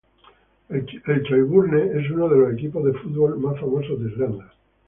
El Shelbourne es uno de los equipos de fútbol más famosos de Irlanda.